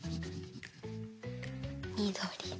みどりで。